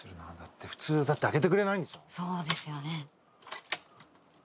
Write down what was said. そうですよね。